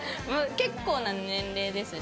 結構な年齢ですし。